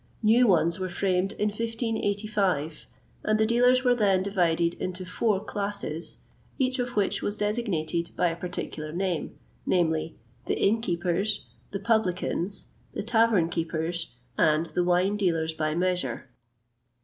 [XXVIII 163] New ones were framed in 1585,[XXVIII 164] and the dealers were then divided into four classes, each of which was designated by a particular name, viz., the inn keepers, the publicans, the tavern keepers, and the wine dealers by measure.